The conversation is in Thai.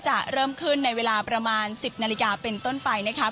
จะเริ่มขึ้นในเวลาประมาณ๑๐นาฬิกาเป็นต้นไปนะครับ